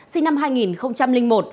sinh năm hai nghìn một